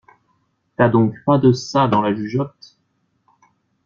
T'as donc pas de ça dans la jugeote!